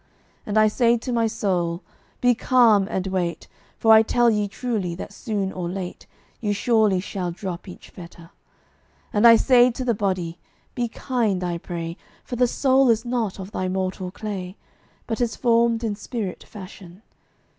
And I say to my soul, "Be calm, and wait; For I tell ye truly that soon or late Ye surely shall drop each fetter." And I say to the body, "Be kind, I pray; For the soul is not of thy mortal clay, But is formed in spirit fashion."